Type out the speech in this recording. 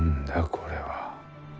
これは。